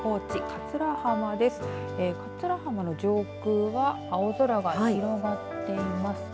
桂浜の上空は青空が広がっています。